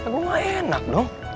gue mah enak dong